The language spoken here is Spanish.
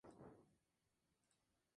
Pero alguien se reunió en secreto con Fanny.